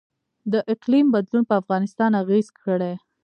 د اقلیم بدلون په افغانستان اغیز کړی؟